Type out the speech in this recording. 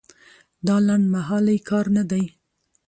دا لنډمهالی کار نه دی.